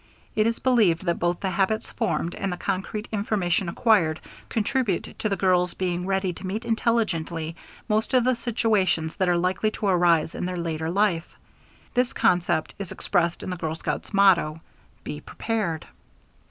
It is believed that both the habits formed and the concrete information acquired contribute to the girls being ready to meet intelligently most of the situations that are likely to arise in their later life. This concept is expressed in the girl scout's motto, "Be prepared."